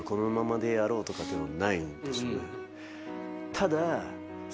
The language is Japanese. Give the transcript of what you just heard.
ただ。